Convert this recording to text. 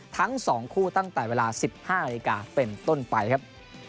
ทั้ง๒คู่ตั้งแต่เวลา๑๕นาฬิกาเป็นต้นไปครับ